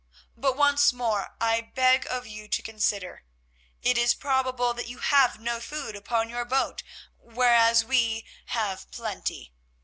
"But once more I beg of you to consider. It is probable that you have no food upon your boat, whereas we have plenty.